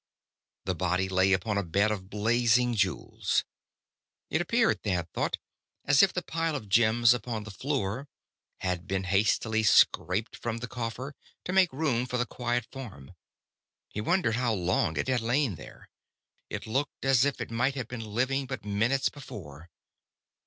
The body lay upon a bed of blazing jewels. It appeared, Thad thought, as if the pile of gems upon the floor had been hastily scraped from the coffer, to make room for the quiet form. He wondered how long it had lain there. It looked as if it might have been living but minutes before.